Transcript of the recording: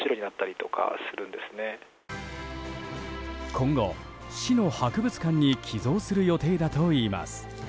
今後、市の博物館に寄贈する予定だといいます。